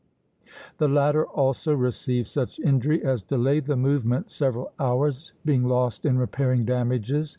The latter also received such injury as delayed the movement, several hours being lost in repairing damages.